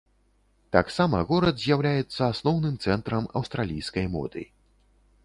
Таксама горад з'яўляецца асноўным цэнтрам аўстралійскай моды.